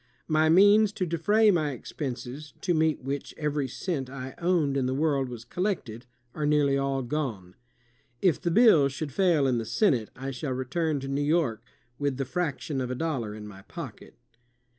My means to defray my expenses, to meet which every cent I owned in the world was collected, are nearly all gone. If the bill should fail in the Senate, I shall return to New York with the fraction of a dollar in my pocket."